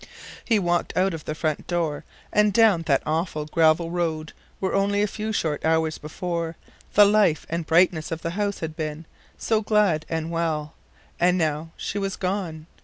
He walked out of the front door and down that awful gravel road where only a few short hours before the life and brightness of the house had been, so glad and well; and now she was gone.